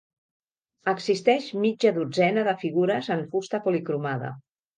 Existeix mitja dotzena de figures en fusta policromada.